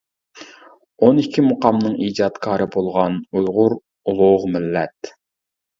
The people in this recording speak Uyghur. ئون ئىككى مۇقامنىڭ ئىجادكارى بولغان ئۇيغۇر ئۇلۇغ مىللەت.